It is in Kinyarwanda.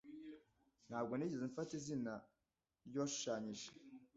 Ntabwo nigeze mfata izina ryuwashushanyije